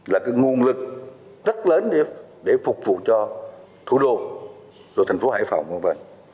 là cái nguồn lực rất lớn để phục vụ cho thủ đô rồi thành phố hải phòng v v